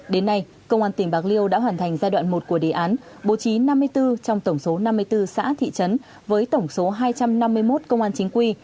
đến nay công an tỉnh bạc liêu đã hoàn thành giai đoạn một của đề án bố trí năm mươi bốn trong tổng số năm mươi bốn xã thị trấn với tổng số hai trăm năm mươi một công an chính quy